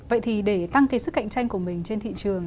vậy thì để tăng cái sức cạnh tranh của mình trên thị trường